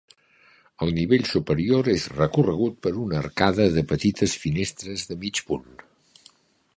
El nivell superior és recorregut per una arcada de petites finestres de mig punt.